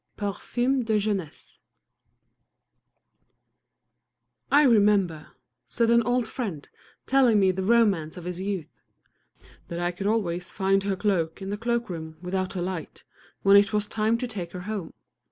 Parfum de Jeunesse "I remember," said an old friend, telling me the romance of his youth, "that I could always find her cloak in the cloak room without a light, when it was time to take her home.